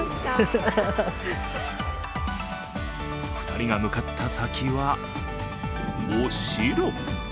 ２人が向かった先はお城。